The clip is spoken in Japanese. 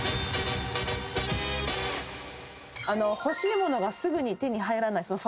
欲しい物がすぐに手に入らない。